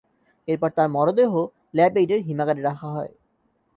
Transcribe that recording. এরপর তাঁর মরদেহ ল্যাব এইডের হিমাগারে রাখা হয়।